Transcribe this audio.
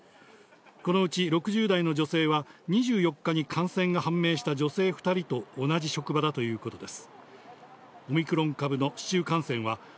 このうち６０代の女性は２４日に感染が判明した女性２人と同じ職場だということです。